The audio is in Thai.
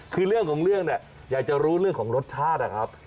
คือเรื่องของเรื่องเนี่ยอยากจะรู้เรื่องของรสชาตินะครับ